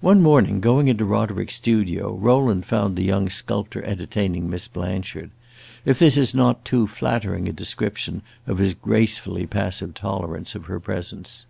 One morning, going into Roderick's studio, Rowland found the young sculptor entertaining Miss Blanchard if this is not too flattering a description of his gracefully passive tolerance of her presence.